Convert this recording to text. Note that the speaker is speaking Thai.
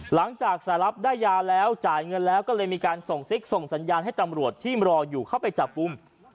หลังจากสารรับได้ยาแล้วจ่ายเงินแล้วก็เลยมีการส่งซิกส่งสัญญาณให้ตำรวจที่รออยู่เข้าไปจับกลุ่ม